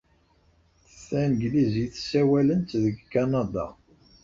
Tanglizit ssawalen-tt deg Kanada.